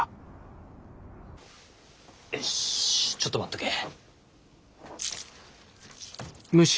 よしちょっと待っとけ。